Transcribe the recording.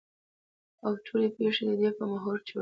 او ټولې پېښې د ده په محور چورلي.